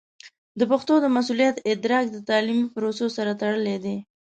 د پښتو د مسوولیت ادراک د تعلیمي پروسو سره تړلی دی.